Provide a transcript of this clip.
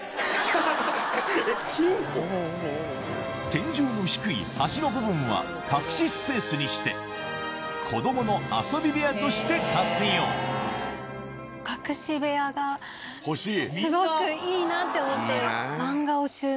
天井の低い端の部分は隠しスペースにして子供の遊び部屋として活用欲しい！